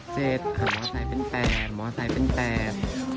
เจ็ดหามอสายเป็นแปบมอสายเป็นแปบ